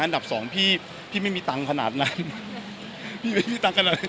อันดับสองพี่ไม่มีตังค์ขนาดนั้น